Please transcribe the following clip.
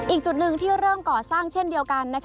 อีกจุดหนึ่งที่เริ่มก่อสร้างเช่นเดียวกัน